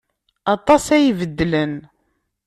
Aṭas ara ibeddlen.